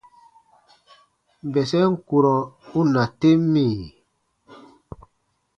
Bɛsɛm kurɔ u na tem mì ?: